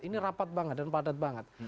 ini rapat banget dan padat banget